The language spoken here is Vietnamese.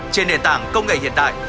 trên nền tảng công nghệ hiện đại